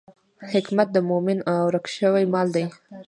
حکمت د مومن ورک شوی مال دی.